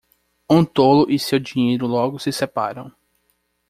Um tolo e seu dinheiro logo se separaram.